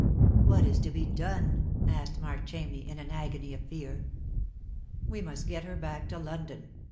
"What is to be done?" asked Mark Chamney in an agony of fear. "We must get her back to London.